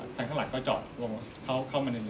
ข้างข้างหลังก็จอดเข้ามาในเรนได้ครับผม